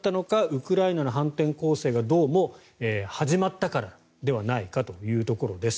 ウクライナの反転攻勢がどうも始まったからではないかというところです。